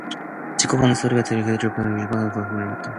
찌꺽 하는 소리에 그들은 바라보니 유서방이 곡간문을 열었다.